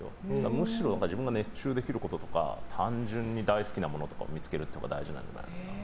むしろ自分が熱中できることとか単純に大好きなものを見つけるっていうのが大事なんじゃないかなと。